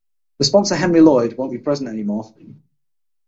The sponsor Henri Lloyd won’t be present anymore.